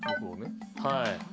はい。